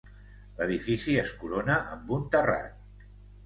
L'edifici es corona amb un terrat.